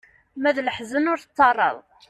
Ma d leḥzen ur tettaraḍ.